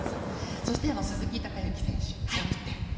そして鈴木孝幸選手、キャプテン。